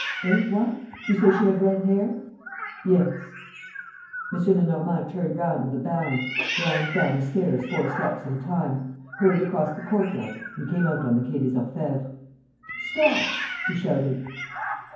"Eh, what! You say she had red hair?" "Yes." M. Lenormand turned round with a bound, ran down the stairs four steps at a time, hurried across the courtyard and came out on the Quai des Orfèvres: "Stop!" he shouted.